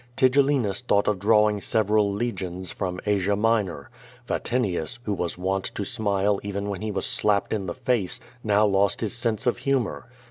Tigellinus thought of drawing several legions from Asia Minor. Vatinius, who was wont to smile even when he was slapped in the face, now lost his sense of humor.